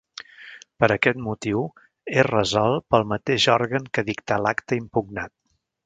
Per aquest motiu, és resolt pel mateix òrgan que dictà l'acte impugnat.